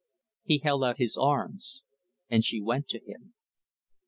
He held out his arms and she went to him.